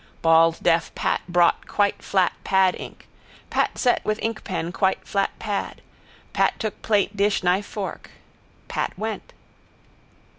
Bald deaf Pat brought quite flat pad ink. Pat set with ink pen quite flat pad. Pat took plate dish knife fork. Pat went.